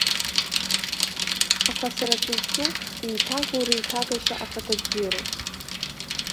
Аха сара сызҿу, еиҭагоу реиҭагашьа ахаҭабзиароуп.